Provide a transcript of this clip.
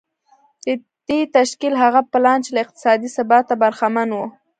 د دې تشکيل هغه پلان چې له اقتصادي ثباته برخمن و.